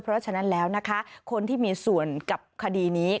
เพราะฉะนั้นแล้วนะคะคนที่มีส่วนกับคดีนี้